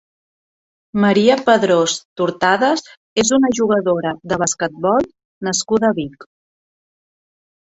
Maria Padrós Tortades és una jugadora de basquetbol nascuda a Vic.